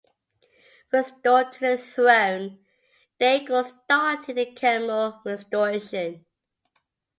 Restored to the throne, Daigo started the Kemmu Restoration.